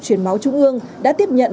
chuyển máu trung ương đã tiếp nhận